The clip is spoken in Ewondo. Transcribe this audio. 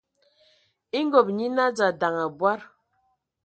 E ngob nyina dza ndaŋ abɔad.